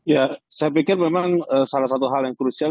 ya saya pikir memang salah satu hal yang krusial